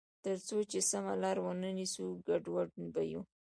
تر څو چې سمه لار ونه نیسو، ګډوډ به یو.